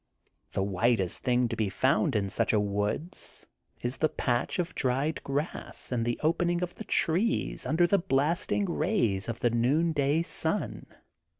The whitest thing to be found in such a woods is the patch of dried grass in the opening of the trees under the blasting rays of the noonday sun.